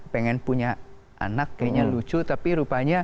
pengen punya anak kayaknya lucu tapi rupanya